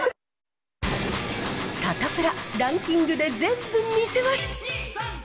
サタプラ、ランキングで全部見せます。